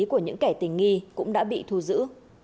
của những kẻ tình nghi cũng đã bị thu giữ